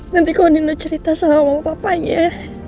nanti kalau nino cerita sama bapak bapaknya